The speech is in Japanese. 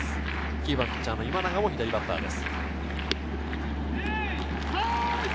９番・ピッチャーの今永も左バッターです。